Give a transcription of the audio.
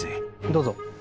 どうぞ。